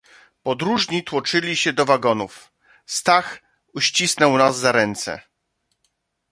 "Podróżni tłoczyli się do wagonów; Stach uścisnął nas za ręce."